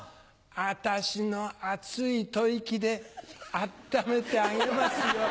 私の熱い吐息で温めてあげますよ。